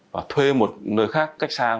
và thuê một nơi khác cách xa